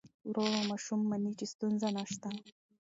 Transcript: ورو ورو ماشوم مني چې ستونزه نشته.